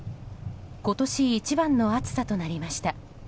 今年一番の暑さとなりました。